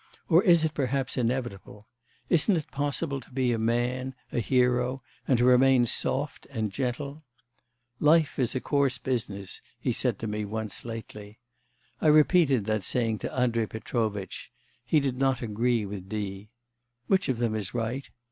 Or is it, perhaps, inevitable? Isn't it possible to be a man, a hero, and to remain soft and gentle? "Life is a coarse business," he said to me once lately. I repeated that saying to Andrei Petrovitch; he did not agree with D. Which of them is right?